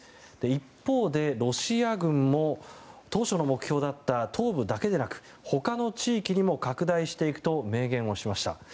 一方で、ロシア軍も当初の目標だった東部だけでなく他の地域にも拡大していくと明言をしました。